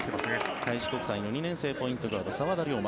開志国際の２年生ポイントガード、澤田竜馬。